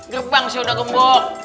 gerbang sih udah gembok